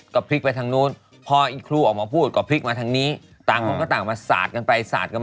มันสนุกตรงไหนรู้มั้ยพูดเองต้องมาทางกองตาที่สวนกลาง